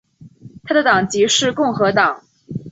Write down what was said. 他的党籍是共和党。